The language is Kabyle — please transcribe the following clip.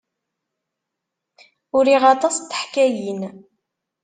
Uriɣ aṭas n teḥkayin.